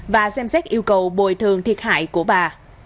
và xem xét yêu cầu bồi thường thiệt hại của bà